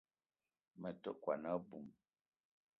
Me te kwuan a-bum